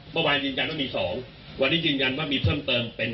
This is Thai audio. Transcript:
เมื่อวานยืนยันว่ามี๒วันนี้ยืนยันว่ามีเพิ่มเติมเป็น